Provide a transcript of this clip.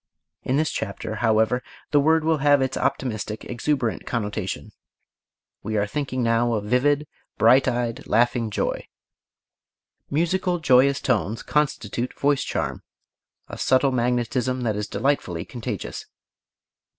In this chapter, however the word will have its optimistic, exuberant connotation we are thinking now of vivid, bright eyed, laughing joy. Musical, joyous tones constitute voice charm, a subtle magnetism that is delightfully contagious.